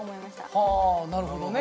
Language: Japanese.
はあなるほどね。